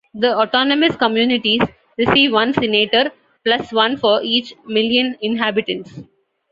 The autonomous communities receive one senator, plus one for each million inhabitants.